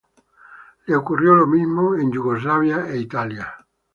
Le ocurrió lo mismo en Yugoslavia e Italia.